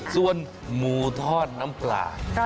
ส่วนหมูทอดน้ำปลา